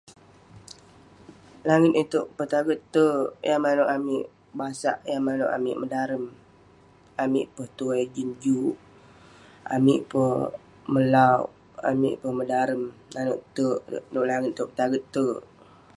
Langit iteuk petaget terk yah manouk amik basak, yah manouk amik mendarem. amik peh tuai jin juk, amik peh melauk, amik peh madarem, nanouk terk, nouk langit ituek taget terk.